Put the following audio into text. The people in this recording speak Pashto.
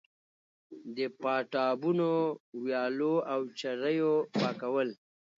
د پاتابونو، ويالو او چريو پاکول